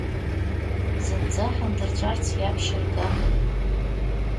Зынӡа ҳандырҵәарц иаԥшьыргама!